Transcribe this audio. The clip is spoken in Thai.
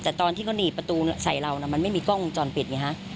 แต่ตอนที่เขาหนีประตูใส่เรามันไม่มีกล้องวงจรปิดไงฮะ